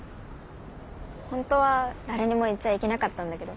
本当は誰にも言っちゃいけなかったんだけど。